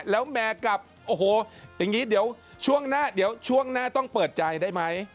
แล้วแมวกลับโอ้โหอย่างนี้เดี๋ยวช่วงหน้าเดี๋ยวช่วงหน้าต้องเปิดใจได้ไหม